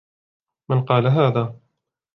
من قال هذا ؟